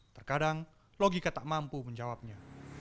terkadang logika tak mampu menjawabnya